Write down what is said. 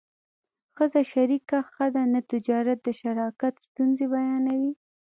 ښځه شریکه ښه ده نه تجارت د شراکت ستونزې بیانوي